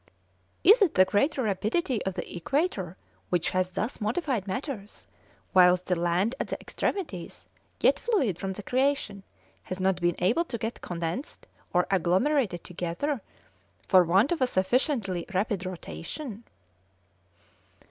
Is it the greater rapidity of the equator which has thus modified matters, whilst the land at the extremities, yet fluid from the creation, has not been able to get condensed or agglomerated together, for want of a sufficiently rapid rotation?"